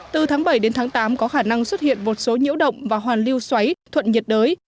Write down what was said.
từ tháng bảy đến tháng tám có khả năng xuất hiện một số nhiễu động và hoàn lưu xoáy thuận nhiệt đới